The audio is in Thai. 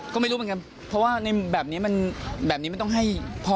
กับไปแล้วไง